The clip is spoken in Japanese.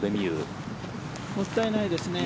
もったいないですね